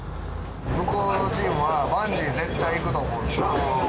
向こうのチームはバンジー絶対行くと思うんですよ。